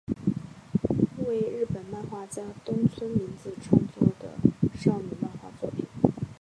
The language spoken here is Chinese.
为日本漫画家东村明子创作的少女漫画作品。